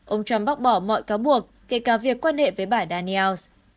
ông trump bác bỏ mọi cáo buộc kể cả việc quan hệ với bà daniels